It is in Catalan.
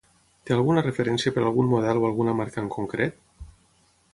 Té alguna referència per algun model o alguna marca en concret?